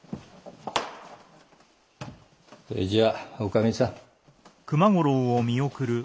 それじゃあおかみさん。